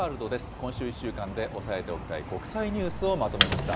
今週１週間で押さえておきたい国際ニュースをまとめました。